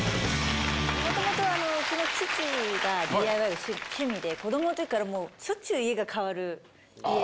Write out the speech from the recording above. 元々うちの父がＤＩＹが趣味で子供の時からもうしょっちゅう家が変わる家で。